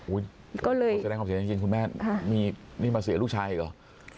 อุ้ยตอบแสดงความเสียชีวิตของคุณแม่มีสิ่งมาเสียลูกชายอีกเหรอ